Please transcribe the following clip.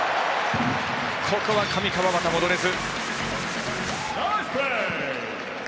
ここは上川畑、戻れず。